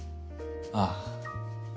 ああ。